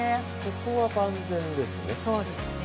ここは万全ですね。